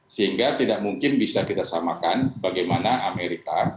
sehingga tidak mungkin bisa kita samakan bagaimana amerika